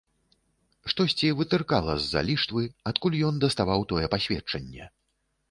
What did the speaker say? Штосьці вытыркала з-за ліштвы, адкуль ён даставаў тое пасведчанне.